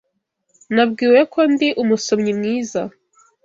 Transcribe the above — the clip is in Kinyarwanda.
Nabwiwe ko ndi umusomyi mwiza.